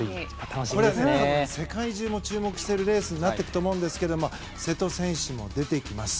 多分、世界中も注目するレースになると思うんですけども瀬戸選手も出てきます。